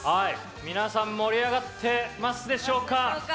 皆さん盛り上がっているでしょうか。